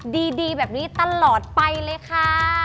ดีแบบนี้ตลอดไปเลยค่ะ